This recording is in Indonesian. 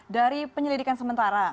dari penyelidikan sementara